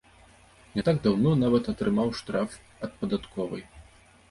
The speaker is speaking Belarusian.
Не так даўно нават атрымаў штраф ад падатковай.